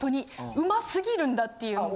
うますぎるんだっていうのが。